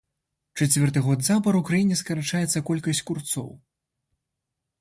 Чацвёрты год запар у краіне скарачаецца колькасць курцоў.